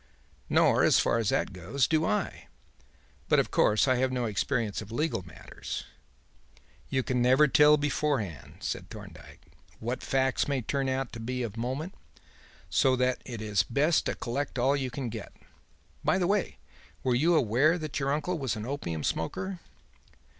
Nor, as far as that goes, do I. But, of course, I have no experience of legal matters." "You can never tell beforehand," said Thorndyke, "what facts may turn out to be of moment, so that it is best to collect all you can get. By the way, were you aware that your uncle was an opium smoker?"